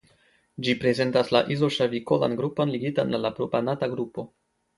Ĝi prezentas la izoŝavikolan grupon ligitan al la propanata grupo.